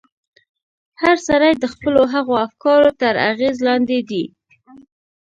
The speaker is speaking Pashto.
هر سړی د خپلو هغو افکارو تر اغېز لاندې دی.